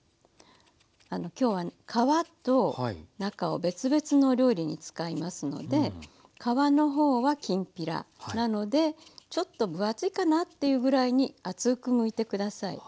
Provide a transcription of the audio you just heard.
今日は皮と中を別々のお料理に使いますので皮の方はきんぴらなのでちょっと分厚いかなっていうぐらいに厚くむいてください。